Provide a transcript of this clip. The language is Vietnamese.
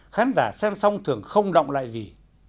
khán giả xem xong thường không động lại gì